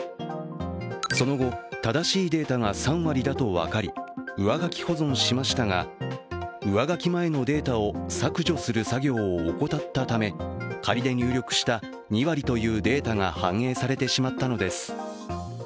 その後、正しいデータが３割だと分かり上書き保存しましたが上書き前のデータを削除する作業を怠ったため、仮で入力した、２割というデータが反映されてしまったのです。